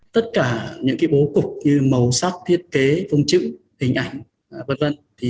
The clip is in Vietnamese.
tất cả những bố cục như màu sắc thiết kế công chữ hình ảnh v v